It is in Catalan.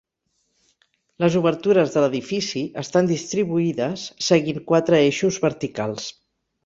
Les obertures de l'edifici estan distribuïdes seguint quatre eixos verticals.